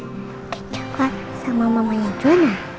cake coklat sama mamanya juana